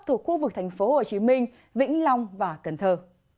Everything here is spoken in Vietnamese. thuộc khu vực thành phố hồ chí minh vĩnh long và cần thơ